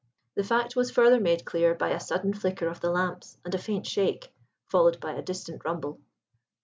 The fact was further made clear by a sudden flicker of the lamps, and a faint shake, followed by a distant rumble.